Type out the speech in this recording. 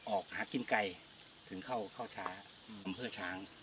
ออกหากินไกลถึงเข้าช้างอำเภอช้าง